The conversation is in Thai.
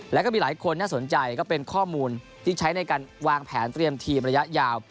แล้วก็มีหลายคนน่าสนใจก็เป็นข้อมูลที่ใช้ในการวางแผนเตรียมทีมระยะยาว